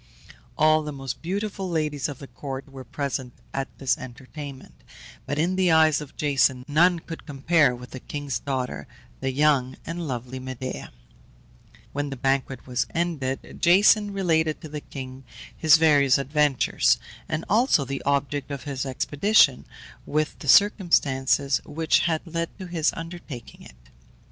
All the most beautiful ladies of the court were present at this entertainment; but in the eyes of Jason none could compare with the king's daughter, the young and lovely Medea. When the banquet was ended, Jason related to the king his various adventures, and also the object of his expedition, with the circumstances which had led to his undertaking it.